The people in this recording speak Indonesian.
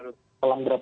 yang untung adalah